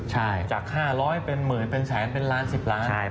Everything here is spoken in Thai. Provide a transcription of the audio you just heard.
จาก๕๐๐เป็นหมื่นเป็นแสนเป็นล้านเป็นสิบล้าน